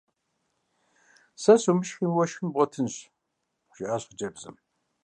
Сэ сумышхми уэ шхын бгъуэтынщ! – жиӀащ хъыджэбзым.